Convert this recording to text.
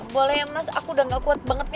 boleh ya mas aku udah gak kuat banget ya